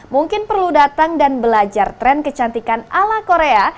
mungkin perlu datang dan belajar tren kecantikan ala korea